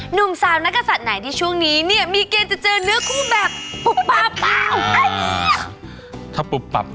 หนุ่มสาวนักศัตริย์ไหนที่ช่วงนี้เนี่ยมีเกณฑ์จะเจอเนื้อคู่แบบปุ๊บ